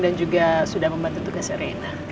dan juga sudah membantu tugasnya renda